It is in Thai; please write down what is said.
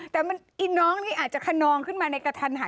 แต่น้องนี่อาจจะคนนองขึ้นมาในกระทันหัน